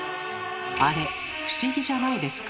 あれ不思議じゃないですか？